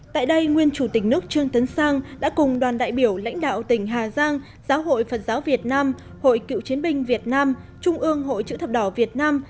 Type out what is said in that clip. tại đây nguyên chủ tịch nước trương tấn sang đã cùng đoàn đại biểu lãnh đạo tỉnh hà giang giáo hội phật giáo việt nam hội cựu chiến binh việt nam trung ương hội chữ thập đỏ việt nam